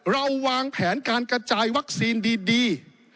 เราวางแผนการกระจายวัคซีนดี